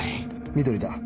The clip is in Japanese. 緑だ。